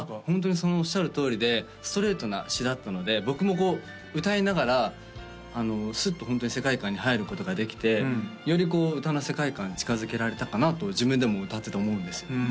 ホントにそのおっしゃるとおりでストレートな詞だったので僕もこう歌いながらスッとホントに世界観に入ることができてよりこう歌の世界観に近づけられたかなと自分でも歌ってて思うんですよ